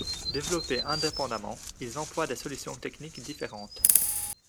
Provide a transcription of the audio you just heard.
Développés indépendamment, ils emploient des solutions techniques différentes.